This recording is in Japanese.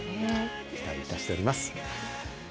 期待いたしております。